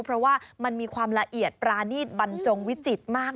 เพราะว่ามันมีความละเอียดปรานีตบรรจงวิจิตรมาก